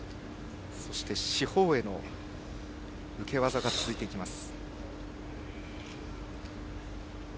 そして、四方への受け技が続いていきます。